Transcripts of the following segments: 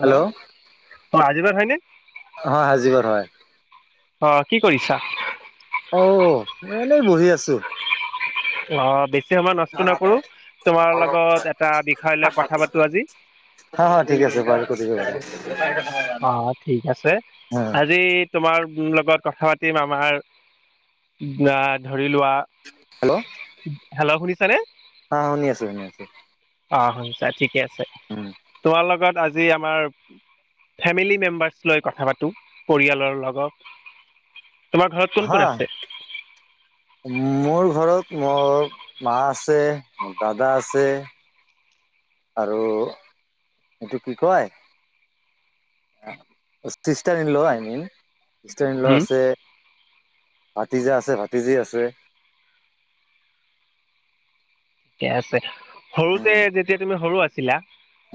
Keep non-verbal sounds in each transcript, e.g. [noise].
Hello hello. আজিমাৰ হয়নে? হয় হাজিবৰ হয় অঁ, কি কৰিছা? অঁ, মই এনেই বহি আছোঁ। অঁ, বেছি সময় নষ্ট নকৰো। তোমাৰ লগত এটা বিষয় লৈ কথা পাতো আজি। হ -হ ঠিক আছে বাৰু, কৰিব বাৰু। অঁ, ঠিক আছে। আজি- তোমাৰ লগত কথা পাতিম আমাৰ আহ ধৰি লোৱা- হেল্ল', শুনিছেনে? অঁ, শুনি আছো, শুনি আছো। অঁ, শুনিছা ঠিকে আছে। আছো তোমাৰ লগত আজি আমাৰ- ফেমিলি মেম্বাৰ্চ লৈ কথা পাতো, পৰিয়ালৰ লগত। তোমাৰ ঘৰত কোন হা কোন আছে? মোৰ ঘৰত মোৰ মা আছে, দাদা আছে, - আৰু এইটো কি কয়? Sister in law, I mean sister in law হুম আছে। ভতিজা আছে, ভতিজী আছে। ঠিকে আছে। সৰুতে উম যেতিয়া তুমি সৰু আছিলা,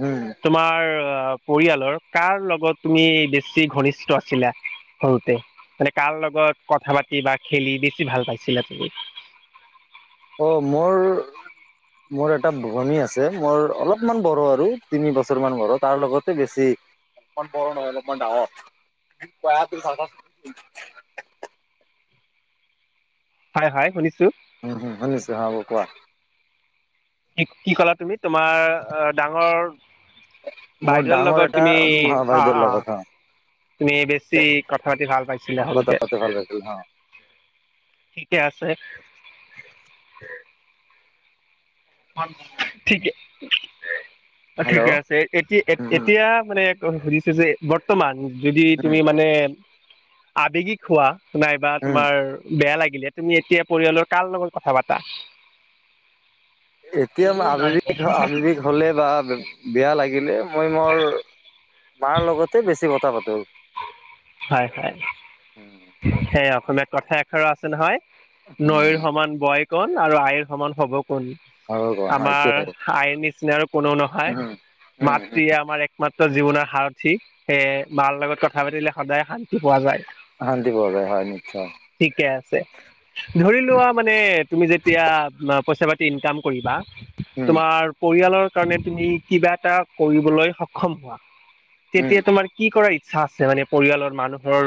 উম তোমাৰ- পৰিয়ালৰ কাৰ লগত তুমি বেছি ঘনিষ্ঠ আছিলা সৰুতে? মানে কাৰ লগত কথা পাতি বা খেলি বেছি ভাল পাইছিলা তুমি? অঁ, মোৰ- মোৰ এটা ভনী আছে, মোৰ অলপমান বড় আৰু তিনি বছৰমান বড়ো। তাৰ লগতে বেছি- [unintelligible] হয়, হয় শুনিছোঁ। উম-উম, শুনিছো হ'ব কোৱা? কি কি ক'লা তুমি? তোমাৰ অঁ, ডাঙৰ- মোৰ বাইদেউৰ ডাঙৰ লগত এটা তুমি মহা অঁ, বাইদেউৰ অঁ, লগত - হা তুমি বেছি কথা পাতি ভাল পাইছিলা কথা সৰুতে। পাতি ভাল পাইছিলোঁ অঁ। ঠিকে আছে। ঠিকে, অঁ হেল্ল' ঠিকে আছে। এতিয়া উম, হুম, -এতিয়া মানে- সুধিছো যে বৰ্তমান যদি উম, তুমি মানে- আৱেগিক হোৱা নাইবা উম, তোমাৰ বেয়া লাগিলে- তুমি এতিয়া পৰিয়ালৰ কাৰ লগত কথা পাতা? এতিয়া আৱেগিক -আৱেৱিক হ'লে বা- বেয়া লাগিলে মই মোৰ মাৰ লগতে বেছি কথা পাতোঁ। হয়, হয়। সে অসমীয়াত কথা এষাৰো আছে নহয় উম, নৈৰ সমান বয়- কোন আৰু আইৰ সমান হব কোন! আৰু কোৱা হয় আমাৰ এইটোৱে আইৰ নিচিনা আৰু কোনো নহয়। উম, উম, মাতৃয়ে আমাৰ একমাত্ৰ জীৱনৰ সাৰথী। সেয়ে মাৰ লগত কথা পাতিলে সদায় শান্তি পোৱা যায়। শান্তি পোৱা যায়, হয় নিশ্চয়। ঠিকে আছে। ধৰি লোৱা মানে তুমি যেতিয়া পইচা পাতি ইনকাম কৰিবা, উম, তোমাৰ পৰিয়ালৰ কাৰণে তুমি কিবা এটা কৰিবলৈ সক্ষম হোৱা। উম, তেতিয়া তোমাৰ কি কৰাৰ ইচ্ছা আছে মানে পৰিয়ালৰ মানুহৰ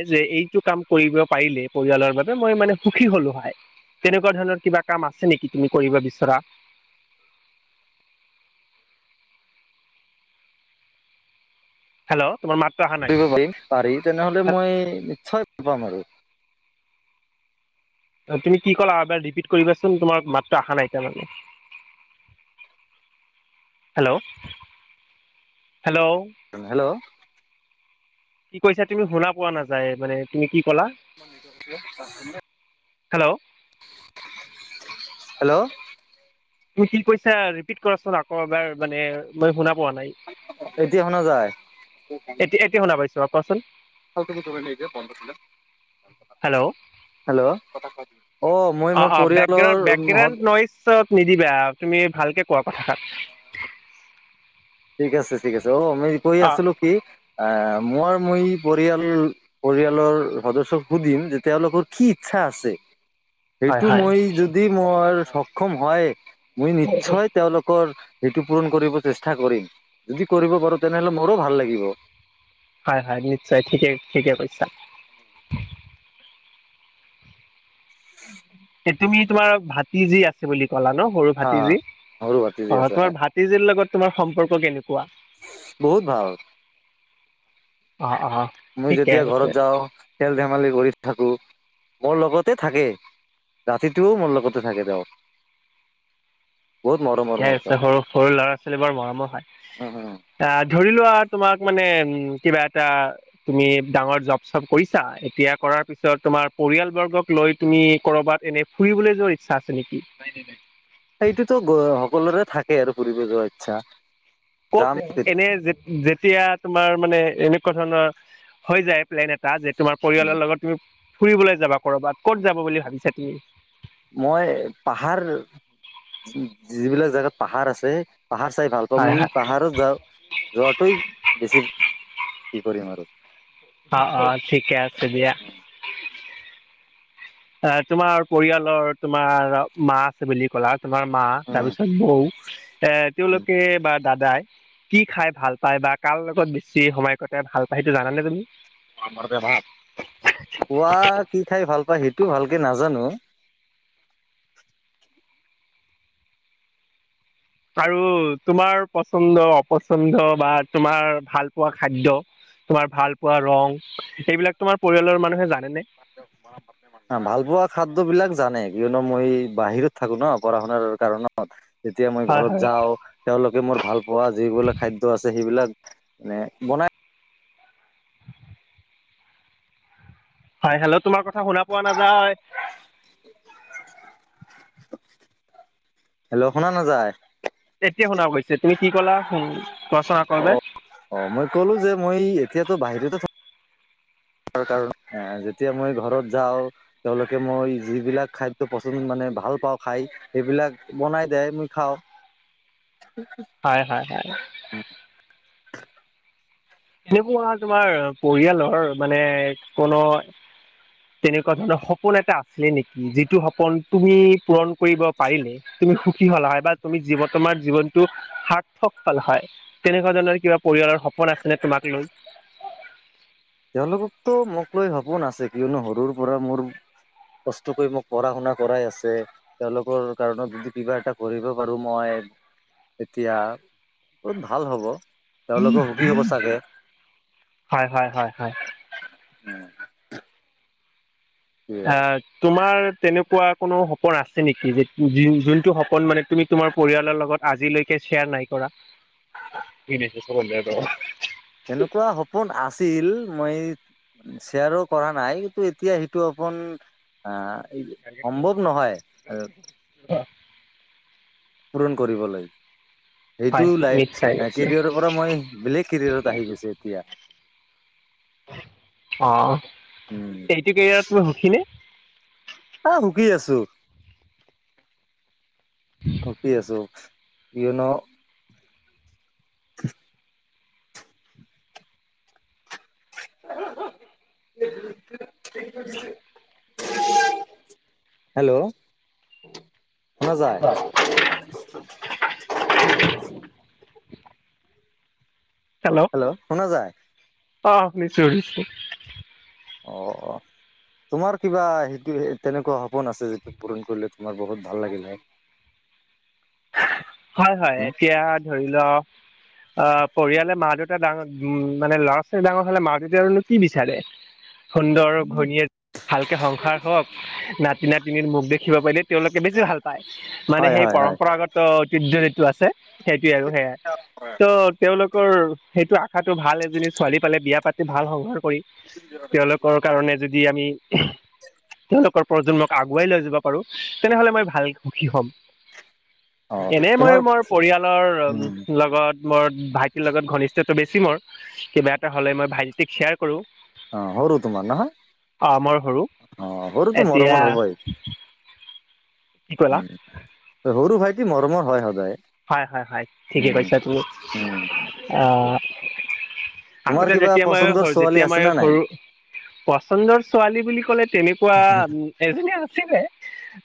এই যে এইটো কাম কৰিব পাৰিলে পৰিয়ালৰ বাবে মই মানে সুখী হলো হয়। তেনেকুৱা ধৰণৰ কিবা কাম আছে নেকি তুমি কৰিব বিচৰা? হেল্ল'। তোমাৰ মাতটো অহা নাই। কৰিব পাৰিম পাৰি তেনেহ'লে মই নিশ্চয় ভাল পাম আৰু। তুমি কি ক'লা আৰু এবাৰ ৰিপিট কৰিবাচোন, তোমাৰ মাতটো আহা নাই তাৰমানে। হেল্ল', হেল্ল' অ হেল্ল', কি কৈছা তুমি শুনা পোৱা নাযায় মানে তুমি কি কলা? [unintelligible] হেল্ল' হেল্ল' তুমি কি কৈছা ৰিপিট কৰাচোন আকৌ। আকৌ এবাৰ মানে মই শুনা পোৱা নাই, এতিয়া শুনা যায় এতিয়া এতিয়া শুনা পাইছো। অ' কোৱাচোন। হেল্ল, অঁ হেল্ল' অ মই মোৰ পৰিয়ালৰ নহত ছত নিদিবা তুমি ভালকে কোৱা কথাষাৰ। ঠিক আছে ঠিক আছে, অ মই কৈ অ' আছিলোঁ কি আ মৰ মই পৰিয়াল পৰিয়ালৰ সদস্যকো সুধিম যে তেওঁলোকৰ কি ইচ্ছা আছে। হয় সেইটো হয় মই যদি মৰ সক্ষম হয় মই নিশ্চয়, তেওঁলোকৰ সেইটো পূৰণ কৰিব চেষ্টা কৰিম। যদি কৰিব পাৰো তেনেহলে মোৰো ভাল লাগিব। হয় হয় নিশ্চয় ঠিকে ঠিকে কৈছা। তুমি তোমাৰ ভাতিজী আছে বুলি কলা ন, সৰু হা ভাতিজী। মোৰো ভাতিজি অ আছে তোমাৰ হয় ভাতিজীৰ লগত তোমাৰ সম্পৰ্ক কেনেকুৱা? বহুত ভাল। অ অ। মই ঠিকে যেতিয়া আছে ঘৰত যাওঁ খেল ধেমালি কৰি থাকো, মোৰ লগতে থাকে। ৰাতিটোও মোৰ লগতে থাকে তেওঁ। বহুত মৰমৰ কেই মোৰ আছে, তেওঁ সৰু সৰু ল'ৰা ছোৱালী বৰ মৰমৰ হয়। উম উম আহ ধৰি লোৱা তোমাক মানে উ কিবা এটা, তুমি ডাঙৰ জব চব কৰিছা, এতিয়া কৰাৰ পিছত তোমাৰ পৰিয়ালবৰ্গক লৈ তুমি কৰবাত এনে- ফুৰিবলৈ যোৱাৰ ইচ্ছা আছে নেকি? সেইটোতো গ সকলোৰে থাকে আৰু ফুৰিব যোৱাৰ ইচ্ছা। যাম কত কেনে যে যেতিয়া তোমাৰ মানে এনেকুৱা ধৰণৰ হৈ যায়, প্লেন এটা যে তোমাৰ পৰিয়ালৰ লগত তুমি ফুৰিবলৈ যাবা কৰ'বাত, ক'ত যাব বুলি ভাবিছা তুমি? মই পাহাৰ, যিবিলাক জেগাত পাহাৰ আছে পাহাৰ চাই ভাল হয় তুমি হয় পাহাৰত যাওঁ যোৱাটোৱেই বেছি কি কৰিম আৰু। অ অ ঠিকে আছে দিয়া। অ তোমাৰ পৰিয়ালৰ তোমাৰ মাক আছে বুলি কলা, তোমাৰ মা তাৰপিছত বৌ এ তেওঁলোকে বা দাদাই- কি খাই ভাল পায় বা কাৰ লগত বেছি সময় কটাই ভাল পায় সেইটো জানানে তুমি? [inaudible] খোৱাত কি খাই ভাল পায় সেইটো ভালকে নাজানো। আৰু তোমাৰ পচন্দ অপচন্দ বা তোমাৰ ভাল পোৱা খাদ্য। তোমাৰ ভাল পোৱা ৰং এইবিলাক তোমাৰ পৰিয়ালৰ মানুহে জানেনে? [inaudible] অ', ভাল পোৱা খাদ্যবিলাক জানে কিয়নো মই বাহিৰত থাকো ন পঢ়া শুনাৰ কাৰণত। তেতিয়া মই হয় ঘৰত হয় যাওঁ। তেওঁলোকে মোৰ ভাল পোৱা যিবিলাক খাদ্য আছে সেইবিলাক মানে বনাই। হয়, হেল্ল' তোমাৰ কথা শুনা পোৱা নাযায়। হেল্ল' শুনা নাযায়? এতিয়া শুনা গৈছে তুমি কি ক'লা কোৱা চোন আকৌ এবাৰ। অ', মই ক'লো যে মই এতিয়াতো বাহিৰতে থা যেতিয়া মই ঘৰত যাওঁ। তেওঁলোকে মই যিবিলাক খাদ্য পচন্দ মানে ভাল পাওঁ খাই। এইবিলাক বনাই দিয়ে মই খাওঁ। হয়, হয়, হয়। এনেকুৱা তোমাৰ পৰিয়ালৰ মানে কোনো তেনেকুৱা ধৰণৰ সপোন এটা আছিলে নেকি যিটো সপোন তুমি পূৰণ কৰিব পাৰিলে তুমি সুখী হ'লা হয় বা তুমি জীৱন তোমাৰ জীৱনটো সাৰ্থক ফল হয়, তেনেকুৱা ধৰণৰ কিবা পৰিয়ালৰ সপোন আছে নে তোমাক লৈ? তেওঁলোকতো মোক লৈ সপোন আছে কিয়নো সৰুৰ পৰা মোৰ কষ্ট কৰি মোক পঢ়া শুনা কৰাই আছে। তেওঁলোকৰ কাৰণত যদি কিবা এটা কৰিব পাৰো মই। এতিয়া বহুত ভাল হ'ব তেওঁলোকও সুখী হ'ব চাগে। হয়, হয়, হয়, হয়। [inaudible] অ', তোমাৰ তেনেকুৱা কোনো সপোন আছে নেকি যে যোনটো সপোন মানে তুমি তোমাৰ পৰিয়ালৰ লগত আজিলৈকে শ্বেয়াৰ নাই কৰা। তেনেকুৱা সপোন আছিল মই শ্বেয়াৰো কৰা নাই, কিন্তু এতিয়া সেইটো অপোন আহ এই সম্ভৱ নহয় আৰু [inaudible] পূৰণ কৰিবলৈ। সেইটো হয় লাই নিশ্চয় নিশ্চয় কেৰিয়াৰৰ পৰা মই বেলেগ কেৰিয়াৰত আহি গৈছো এতিয়া। অ', উম এইটো কেৰিয়াৰত তুমি সুখী নে? অ', সুখী আছো। সুখী আছো, কিয়নো [inaudible] [inaudible] হেল্ল' শুনা যায়। হেল্ল' অ' শুনা যায় শুনিছো শুনিছো। অ অ তোমাৰ কিবা সেইটো তেনেকুৱা সপোন আছে যিটো পূৰণ কৰিলে তোমাৰ বহুত ভাল লাগিল হৈ। হয়, হয়, উম, এতিয়া ধৰি ল অ', পৰিয়ালে মা দেউতা ডাঙৰ মানে ল'ৰা ছোৱালী ডাঙৰ হ'লে মা দেউত আৰুনো কি বিচাৰে। সুন্দৰ ঘণীয়েক ভালকে সংসাৰ হওক, নাতি নাতিনী মুখ দেখিব পাৰিলে তেওঁলোকে বেছি ভাল পায়। মানে হয় সেই হয় হয় পৰম্পৰাগত ঐতিহ্য যিটো আছে সেইটোৱে আৰু সেয়াই। ত তেওঁলোকৰ সেইটো আশাটো ভাল এজনী ছোৱালী পালে বিয়া পাতি ভাল সংহাৰ কৰি তেওঁলোক কৰ কাৰণে যদি আমি তেওঁলোকৰ প্ৰজন্মক আগুৱাই লৈ যাব পাৰো। তেনেহ'লে মই ভাল সুখী হ'ম। অ এনে মই তোমাৰ মৰ উম পৰিয়ালৰ লগত মোৰ ভাইটিৰ লগত ঘনিষ্ঠটো বেছি মোৰ, কিবা এটা হলে মই ভাইটিক শ্বেয়াৰ কৰো। অ সৰু তোমাৰ নহয়, সৰু অ সৰুটো এতিয়া মৰমৰ হ'বই। কি কলা? উম সৰু ভাইটি মৰমৰ হয় সদায়। হয় হয় হয় ঠিকে উম কৈছা তুমি, উম আহ তোমাৰ আগতে কিবা যেতিয়া মই পচন্দৰ ছোৱালী যেতিয়া আছে মই নে নাই সৰু পচন্দৰ ছোৱালী বুলি ক'লে তেনেকুৱা এজনী আছিলে।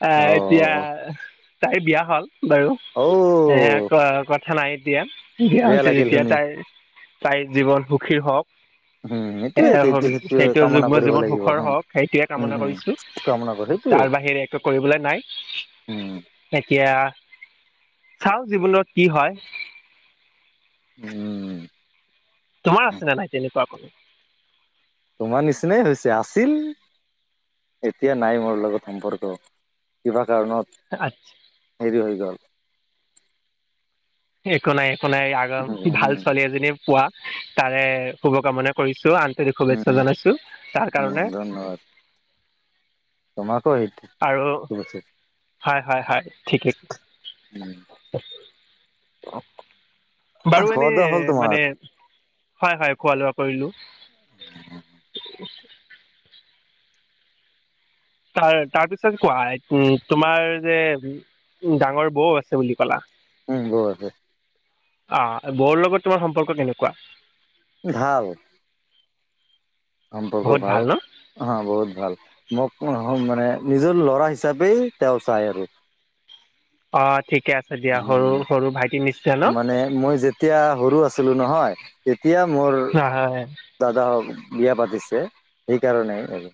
আহ অ এতিয়া তাইৰ বিয়া হ'ল বাৰু। অ। সেয়া ক কথা নাই এতিয়া বিয়া বেয়া হৈছে লাগিল যেতিয়া শুনি তাইৰ। তাই জীৱন সুখীৰ হওঁক। উম এ সেইটোয়ে সেইটো সন সেইটোয়ে সেইটো কামনা যুগ্ম কৰিব জীৱন লাগিব সুখৰ হ হওঁক সেইটোৱে উম কামনা হম কৰিছো। কামনা কৰ সেইটোয়ে তাৰ বাহিৰে একো কৰিবলৈ নাই। উম। এতিয়া চাও জীৱনত কি হয়। উম। তোমাৰ আছে নে নাই তেনেকুৱা কোনো? তোমাৰ নিচিনাই হৈছে, আছিল। এতিয়া নাই মোৰ লগত সম্পৰ্ক, কিবা কাৰণত আচ্ হেৰি হৈ গ'ল। একো নাই একো নাই আগ ভাল উম ছোৱালী এজনী পোৱা তাৰে শুভকামনা কৰিছো আন্তৰিক শুভেচ্ছা উম জনাইছো তাৰ উম কাৰণে। ধন্যবাদ তোমাকো সেই। আৰু হয় হয় হয় ঠিকেই। উম বাৰু খোৱা এনেই, দোৱা হ'ল তোমাৰ মানে হয় হয় খোৱা লোৱা কৰিলো। তাৰ তাৰপিছত কোৱা উ তোমাৰ যে ডাঙৰ বৌ আছে বুলি ক'লা। উম বৌ আছে। আ বৰ লগত তোমাৰ সম্পৰ্ক কেনেকুৱা? ভাল। সম্পৰ্ক বহুত ভাল। ন হা বহুত ভাল মোক মানে নিজৰ ল'ৰা হিচাপেই তেওঁ চাই আৰু। অ ঠিকে আছে দিয়া, সৰু সৰু ভাইটি নিশ্চয় ন? নে মই যেতিয়া সৰু আছিলো নহয়, তেতিয়া মোৰ হয় হয় দাদা হওঁক বিয়া পাতিছে সেইকাৰণে আৰু।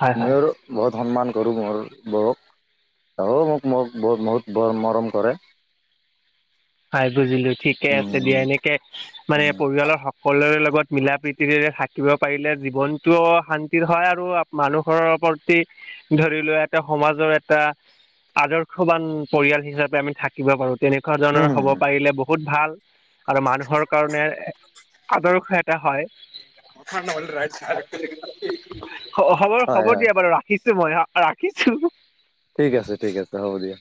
হয় মই হয় আৰু বহুত সন্মান কৰোঁ মোৰ বৌক আৰু তাইও মোক মোক বহুতৰ মৰম কৰে। হয় বুজিলোঁ ঠিকে আছে দিয়া উম এনেকে মানে উম পৰিয়ালৰ সকলোৰে লগত মিলা প্ৰীতিৰে থাকিব পাৰিলে জীৱনতটো শান্তিৰ হয় আৰু মানুহৰৰ প্ৰতি ধৰি লোৱা এটা সমাজৰ এটা আদৰ্শবান পৰিয়াল হিচাপে আমি থাকিব পাৰোঁ। তেনেকুৱা ধৰণৰ হ'ব উম পাৰিলে বহুত ভাল আৰু মানুহৰ কাৰণে আদৰ্শ এটা হয়। হয় হয়। কিছো মইয়ো ৰাখিছোঁ। ঠিক আছে ঠিক আছে হ'ব দিয়া।